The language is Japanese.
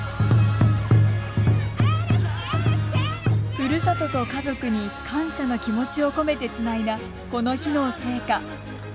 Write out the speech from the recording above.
ふるさとと家族に感謝の気持ちを込めてつないだこの日の聖火。